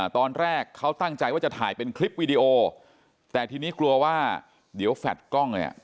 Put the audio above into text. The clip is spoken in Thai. ตอนแรกเขาตั้งใจว่าจะถ่ายเป็นคลิปวีดีโอแต่ทีนี้กลัวว่าเดี๋ยวแฟลตกล้องเนี่ย